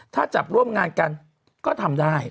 ถ้าจับร่วมงานกันก็ทำได้